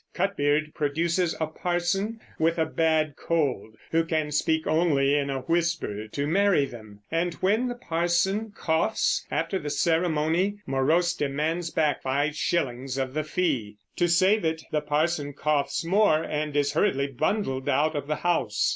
Cutbeard produces a parson with a bad cold, who can speak only in a whisper, to marry them; and when the parson coughs after the ceremony Morose demands back five shillings of the fee. To save it the parson coughs more, and is hurriedly bundled out of the house.